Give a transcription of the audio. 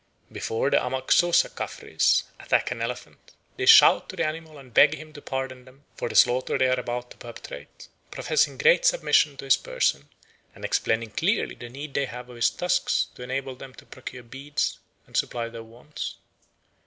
Before the Amaxosa Caffres attack an elephant they shout to the animal and beg him to pardon them for the slaughter they are about to perpetrate, professing great submission to his person and explaining clearly the need they have of his tusks to enable them to procure beads and supply their wants.